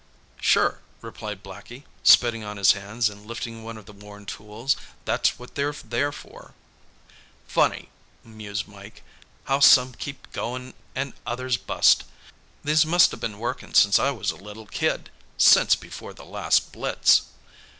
"Sure," replied Blackie, spitting on his hands and lifting one of the worn tools. "That's what they're for." "Funny," mused Mike, "how some keep going an' others bust. These musta been workin' since I was a little kid since before the last blitz."